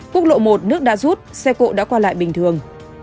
quốc lộ một nước đã rút xe cộ đã qua lại bình thường